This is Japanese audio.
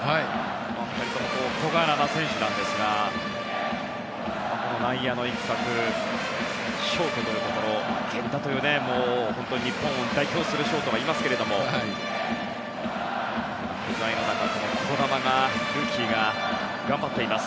２人とも小柄な選手なんですが内野の一角ショートというところ源田という本当に日本を代表するショートがいますけども不在の中この児玉が、ルーキーが頑張っています。